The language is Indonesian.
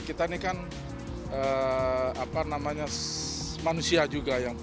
kita ini kan manusia juga